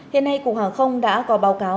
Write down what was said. hiện nay cục hàng không đã có báo cáo